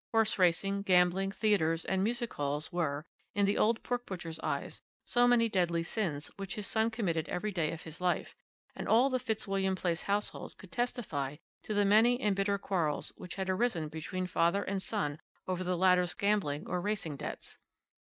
Horse racing, gambling, theatres, and music halls were, in the old pork butcher's eyes, so many deadly sins which his son committed every day of his life, and all the Fitzwilliam Place household could testify to the many and bitter quarrels which had arisen between father and son over the latter's gambling or racing debts.